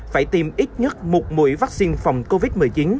phải tiêm ít nhất một mũi vaccine phòng covid một mươi chín